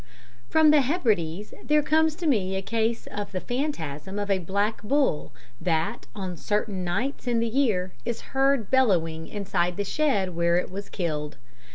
From the Hebrides there comes to me a case of the phantasm of a black bull, that, on certain nights in the year, is heard bellowing inside the shed where it was killed.